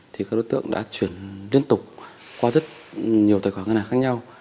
thì các đối tượng đã chuyển liên tục qua rất nhiều tài khoản ngân hàng khác nhau